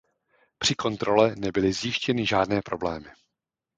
Při kontrole nebyly zjištěny žádné problémy.